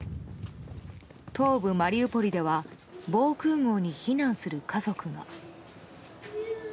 東部マリウポリでは防空壕に避難する家族が。